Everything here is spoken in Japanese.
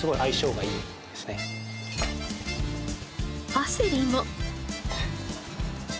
パセリも。